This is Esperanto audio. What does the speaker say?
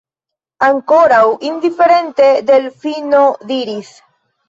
Ankoraŭ indiferente, Delfino diris: